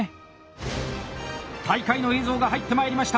大会の映像が入ってまいりました！